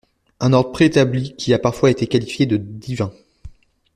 Un ordre pré-établi qui a parfois été qualifié de 'divin'.